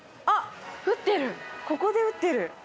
ここで打ってる。